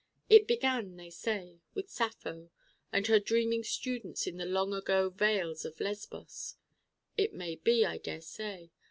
It began, they say, with Sappho and her dreaming students in the long ago vales of Lesbos. It may be, I daresay.